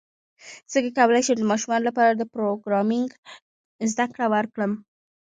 څنګه کولی شم د ماشومانو لپاره د پروګرامینګ زدکړه ورکړم